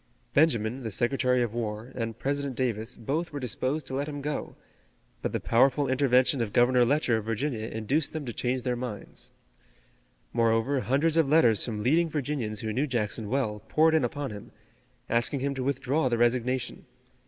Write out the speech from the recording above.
Benjamin, the Secretary of War, and President Davis both were disposed to let him go, but the powerful intervention of Governor Letcher of Virginia induced them to change their minds. Moreover, hundreds of letters from leading Virginians who knew Jackson well poured in upon him, asking him to withdraw the resignation.